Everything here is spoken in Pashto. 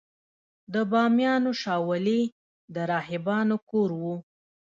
د بامیانو شاولې د راهبانو کور و